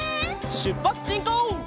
しゅっぱつしんこう！